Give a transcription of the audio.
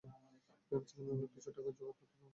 ভেবেছিলাম, এভাবে কিছু টাকা জোগাড় করতে পারব।